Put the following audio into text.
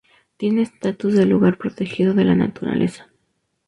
Tiene estatus de lugar protegido de la naturaleza.